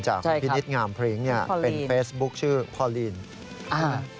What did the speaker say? จากพี่นิดงามพริ้งเนี่ยเป็นเฟซบุ๊คชื่อพอลีนอ่า